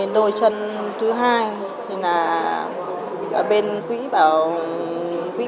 đôi chân thứ hai thì là ở bên quỹ bảo trợ của tỉnh